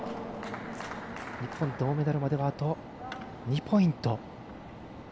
日本、銅メダルまであと２ポイント。